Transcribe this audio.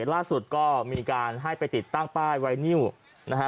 ล่าสุดก็มีการให้ไปติดตั้งป้ายไวนิวนะฮะ